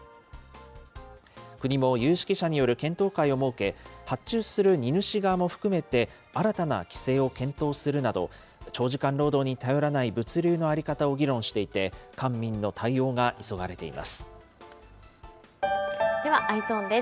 国も有識者による検討会を設け、発注する荷主側も含めて、新たな規制を検討するなど、長時間労働に頼らない物流の在り方を議論していて、ではＥｙｅｓｏｎです。